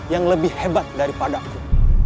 yang lebih hebat daripadaku